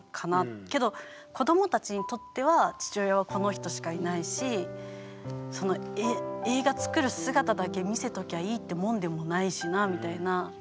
けど子どもたちにとっては父親はこの人しかいないし映画つくる姿だけ見せときゃいいってもんでもないしなみたいな。